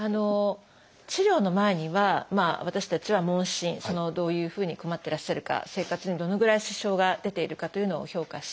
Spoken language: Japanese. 治療の前には私たちは問診どういうふうに困ってらっしゃるか生活にどのぐらい支障が出ているかというのを評価して。